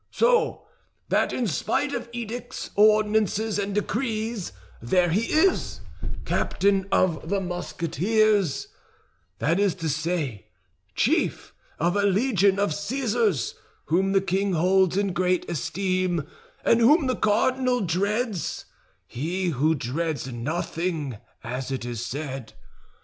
So that in spite of edicts, ordinances, and decrees, there he is, captain of the Musketeers; that is to say, chief of a legion of Cæsars, whom the king holds in great esteem and whom the cardinal dreads—he who dreads nothing, as it is said.